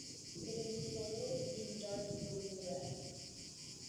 It is sold in dark blue bags.